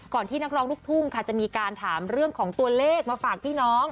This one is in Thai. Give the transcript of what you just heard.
ที่นักร้องลูกทุ่งค่ะจะมีการถามเรื่องของตัวเลขมาฝากพี่น้อง